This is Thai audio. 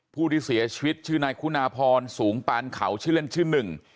ผู้ที่เสียชีวิตชื่อนายคุณาพรสูงปานเขาชื่อเล่นชื่อหนึ่ง